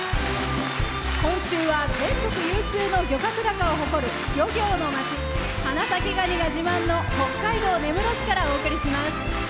今週は、全国有数の漁獲量を誇る漁業の街、花咲ガニが自慢の北海道根室市からお送りします。